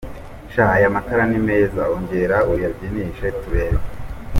Sha aya matara ni meza, ongera uyabyinishe turebe.